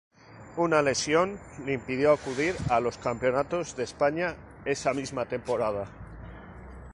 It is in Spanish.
Una lesión le impidió acudir a los campeonatos de España esa misma temporada.